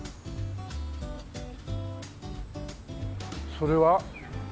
それは？